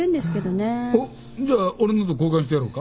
おっじゃあ俺のと交換してやろうか？